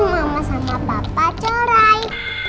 mama sama papa curai